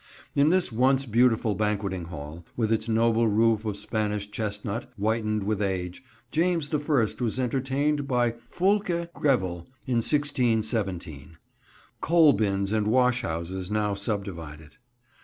In this once beautiful banqueting hall, with its noble roof of Spanish chestnut, whitened with age, James the First was entertained by Fulke Greville in 1617. Coal bins and wash houses now subdivide it.